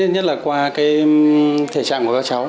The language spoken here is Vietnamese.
nhất là qua cái thể trạng